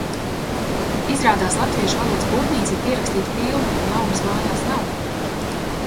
Izrādās latviešu valodas burtnīca ir pierakstīta pilna, un jaunas mājās nav.